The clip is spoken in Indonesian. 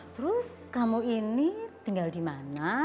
terus kamu ini tinggal dimana